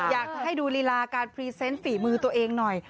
อยากให้ดูลีลาการพรีเซนต์ฝีมือตัวเองหน่อย